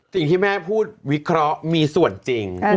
สิ่งที่แม่พูดวิเคราะห์มีส่วนจริง